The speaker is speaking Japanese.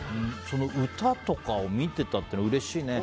歌とかを見てたっていうのはうれしいね。